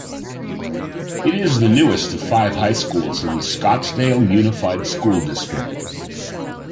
It is the newest of five high schools in the Scottsdale Unified School District.